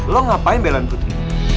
lu ngapain belan putri